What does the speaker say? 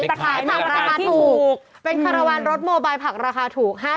ไปขายแต่ขายราคาถูกเป็นขารวานรถโมบายผักราคาถูก